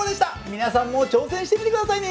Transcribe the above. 皆さんも挑戦してみて下さいね。